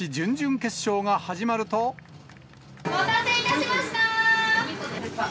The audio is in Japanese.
お待たせいたしました。